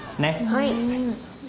はい！